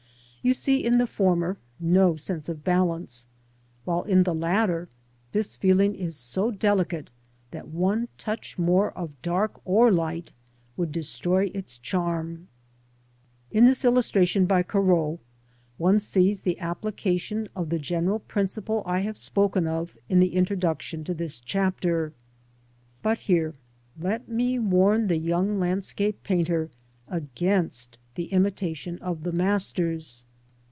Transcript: You see in the former no sense of balance, while in the latter this feeling is so delicate that one touch more of dark or light would destroy its charm. In this illustration by Corot one sees the application of the general principle I have spoken of in the introduction to this chapter. But here let me warn the young landscape painter against the imitation of the Masters.